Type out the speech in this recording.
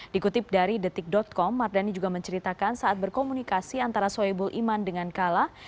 dikutip dari detik com mardani juga menceritakan saat berkomunikasi antara soebul iman dengan kala